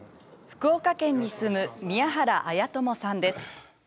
福岡県に住む宮原礼智さんです。